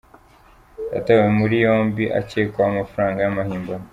Yatawe muri yombi akekwaho amafaranga y’amahimbano